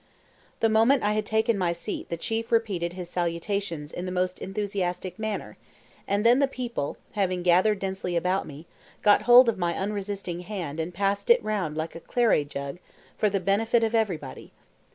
The moment I had taken my seat the chief repeated his salutations in the most enthusiastic manner, and then the people having gathered densely about me, got hold of my unresisting hand and passed it round like a claret jug for the benefit of every body.